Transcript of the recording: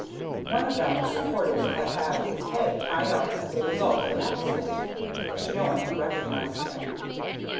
One of them was reported to have had his head tied up as the result of an accident, but no one had recognized him.